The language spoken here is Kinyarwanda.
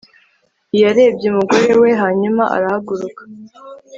i yarebye umugore we hanyuma arahaguruka